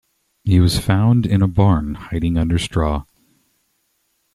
He was found in a barn hiding under straw.